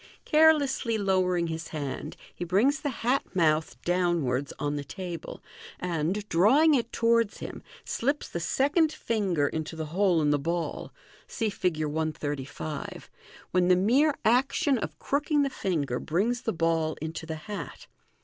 Carelessly lowering his hand, he brings the hat mouth downwards on the tableland, drawing it towards him, slips the second finger into the hole in the ball (see Fig. 135), when the mere action of crooking the ringer brings the ball into the hat.